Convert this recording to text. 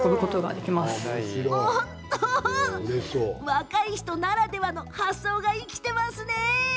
若い人ならではの発想が生きてますよね。